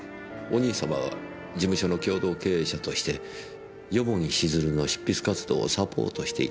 お兄様は事務所の共同経営者として蓬城静流の執筆活動をサポートしていたと伺っていますが。